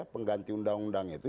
pengganti undang undang itu